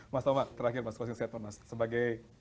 mas toma terakhir mas kwasiwasek sebagai